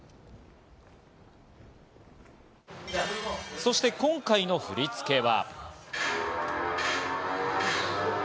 そして今回の振り付けは。